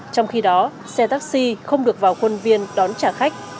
trong khi đó xe taxi không được vào khuôn viên đón trả khách